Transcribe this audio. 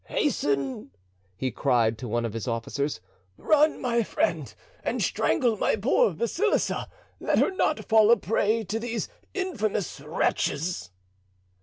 "Hasten," he cried to one of his officers, "run, my friend, and strangle my poor Basilissa; let her not fall a prey to these infamous wretches."